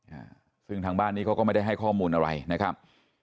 อ่าซึ่งทางบ้านนี้เขาก็ไม่ได้ให้ข้อมูลอะไรนะครับ